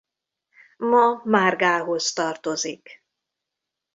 Ma Márgához tartozik.